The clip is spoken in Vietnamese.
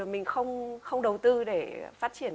mình không đầu tư để phát triển